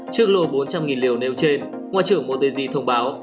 trước lô bốn trăm linh liều nêu trên ngoại trưởng moteg thông báo